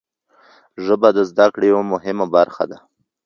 ژبه د زده کړې یوه مهمه برخه ده.